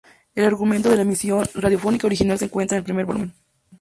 El argumento de la emisión radiofónica original se encuentra en el primer volumen.